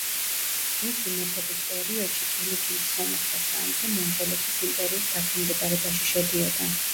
მისი მეფობის პერიოდში კილიკიის სომეხთა სამეფო მონღოლეთის იმპერიის დაქვემდებარებაში შედიოდა.